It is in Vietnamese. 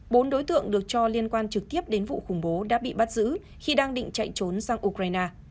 bốn đối tượng được cho liên quan trực tiếp đến vụ khủng bố đã bị bắt giữ khi đang định chạy trốn sang ukraine